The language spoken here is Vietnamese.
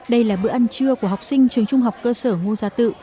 đây là bữa ăn trưa của học sinh trường trung học cơ sở ngô gia tự